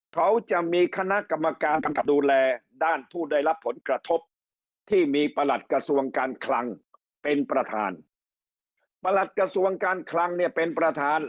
เขาจะมีคณะกรรมการดูแลด้านผู้ได้รับผลกระทบที่มีประหลัดกระทรวงการคลังเป็นประธาน